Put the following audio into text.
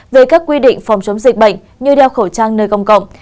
về các quy định phòng chống dịch bệnh như đeo khẩu trang nơi công cộng